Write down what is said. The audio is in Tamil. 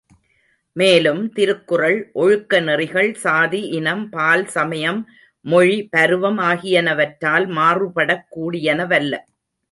மேலும், திருக்குறள் ஒழுக்க நெறிகள், சாதி, இனம், பால், சமயம், மொழி, பருவம் ஆகியனவற்றால் மாறுபடக் கூடியனவல்ல.